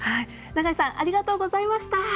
永井さんありがとうございました。